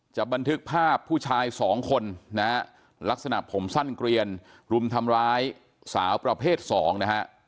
บันทึกภาพผู้ชายสองคนนะฮะลักษณะผมสั้นเกลียนรุมทำร้ายสาวประเภท๒นะฮะ